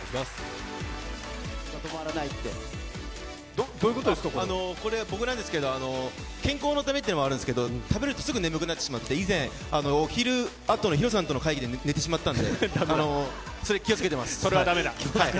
止まらないってどういうこと僕なんですけど、健康のためっていうのもあるんですけど、食べるとすぐ眠くなってしまって、以前、お昼あとのＨＩＲＯさんとの会議で寝てしまったんで、それ、それはだめだ。